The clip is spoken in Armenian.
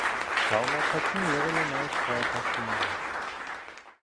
Դալմաթացին եղել է նաև քաղաքաշինարար։